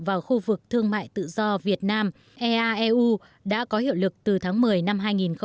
vào khu vực thương mại tự do việt nam eaeu đã có hiệu lực từ tháng một mươi năm hai nghìn một mươi chín